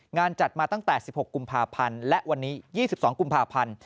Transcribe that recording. งานจัดมาตั้งแต่๑๖กุมภาพันธ์และวันนี้๒๒กุมภาพันธ์